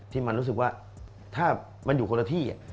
ที่มันรู้สึกว่าถ้ามันอยู่คนละที่